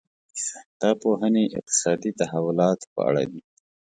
دا پوهنې اقتصادي تحولاتو په اړه دي.